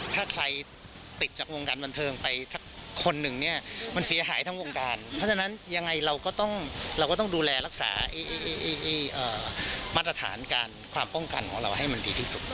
ถ้าใครติดจากวงการบันเทิงไปสักคนหนึ่งเนี่ยมันเสียหายทั้งวงการเพราะฉะนั้นยังไงเราก็ต้องเราก็ต้องดูแลรักษามาตรฐานการความป้องกันของเราให้มันดีที่สุด